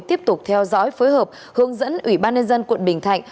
tiếp tục theo dõi phối hợp hướng dẫn ủy ban nhân dân quận bình thạnh